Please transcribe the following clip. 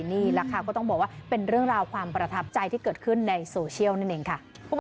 นี่แหละค่ะก็ต้องบอกว่าเป็นเรื่องราวความประทับใจที่เกิดขึ้นในโซเชียลนั่นเองค่ะ